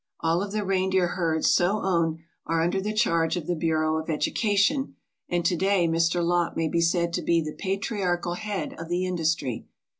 All of the reindeer herds so owned are under the charge of the Bureau of Education, and to day Mr. Lopp may be said to be the patriarchal head of the in dustry.